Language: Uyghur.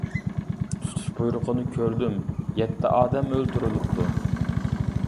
تۇتۇش بۇيرۇقىنى كۆردۈم، يەتتە ئادەم ئۆلتۈرۈلۈپتۇ.